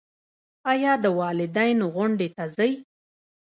ایا د والدینو غونډې ته ځئ؟